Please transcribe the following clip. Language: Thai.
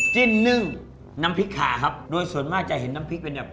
จิ้นนึ่งน้ำพริกขาครับโดยส่วนมากจะเห็นน้ำพริกเป็นแบบ